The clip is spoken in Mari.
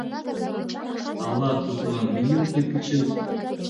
Ала тудлан вийым тый кучет?